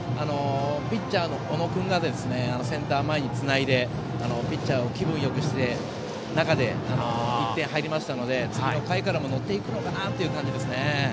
ピッチャーの小野君がセンター前につないでピッチャーを気分よくした中で１点入りましたので次の回からも乗っていくのかなという感じですね。